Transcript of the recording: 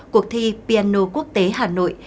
cuộc thi piano quốc tế hà nội